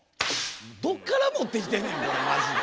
どっから持ってきてんねんこれマジで。